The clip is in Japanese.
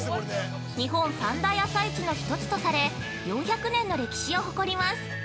日本三大朝市の１つとされ４００年の歴史を誇ります。